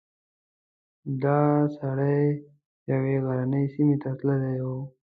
دا سړک یوې غرنۍ سیمې ته تللی و.